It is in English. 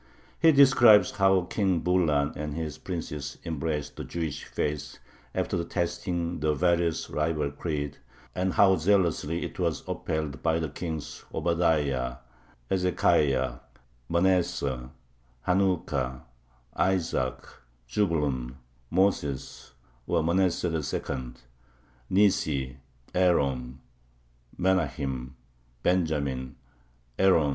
He describes how King Bulan and his princes embraced the Jewish faith after testing the various rival creeds, and how zealously it was upheld by the Kings Obadiah, Hezekiah, Manasseh, Hanukkah, Isaac, Zebulun, Moses (or Manasseh II.), Nissi, Aaron, Menahem, Benjamin, Aaron (II.)